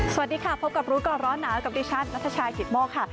สวัสดีค่ะพบกับรู้ก่อนร้อนหนาวกับดิฉันนัทชายกิตโมกค่ะ